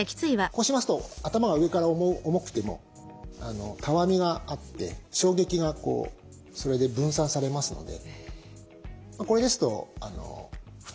こうしますと頭が上から重くてもたわみがあって衝撃がそれで分散されますのでこれですと負担が少ないわけなんですね。